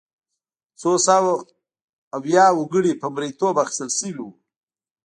څو سوه ویا وګړي په مریتوب اخیستل شوي وو.